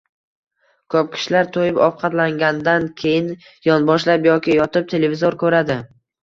Ko‘p kishilar to‘yib ovqatlangandan keyin yonboshlab yoki yotib televizor ko‘radi.